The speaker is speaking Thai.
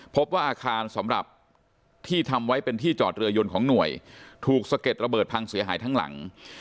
พบว่าอาคารสำหรับที่ทำไว้เป็นที่จอดเรือยนของหน่วยถูกสะเก็ดระเบิดพังเสียหายทั้งหลัง